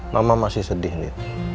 mama masih sedih lidh